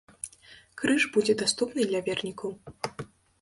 Крыж будзе даступны для вернікаў.